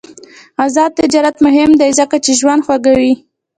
آزاد تجارت مهم دی ځکه چې ژوند خوږوي.